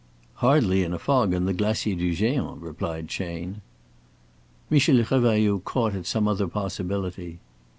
"Hardly in a fog on the Glacier du Géant," replied Chayne. Michel Revailloud caught at some other possibility.